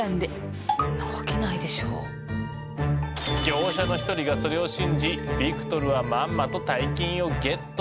業者の一人がそれを信じビクトルはまんまと大金をゲット。